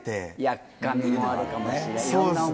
やっかみもあるかもしれない。